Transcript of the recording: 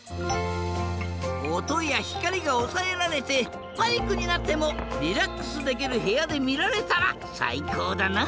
おとやひかりがおさえられてパニックになってもリラックスできるへやでみられたらさいこうだな。